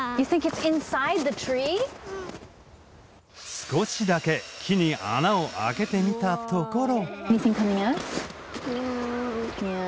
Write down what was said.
少しだけ木に穴を開けてみたところ。